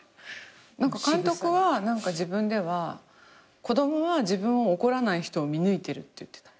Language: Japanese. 監督は自分では子供は自分を怒らない人を見抜いてるって言ってた。